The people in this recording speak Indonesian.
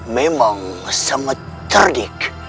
memang sangat terdik